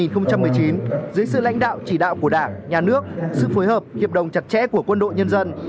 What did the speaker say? dưới sự lãnh đạo chỉ đạo của đảng nhà nước sự phối hợp hiệp đồng chặt chẽ của quân đội nhân dân